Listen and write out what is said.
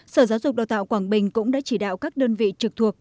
sở giáo dục đào tạo quảng bình cũng đã chỉ đạo các đơn vị trực thuộc